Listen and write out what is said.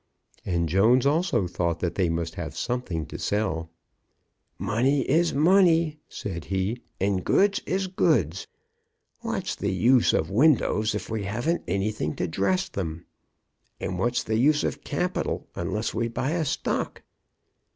And Jones also thought they must have something to sell. "Money is money," said he, "and goods is goods. What's the use of windows if we haven't anything to dress them? And what's the use of capital unless we buy a stock?"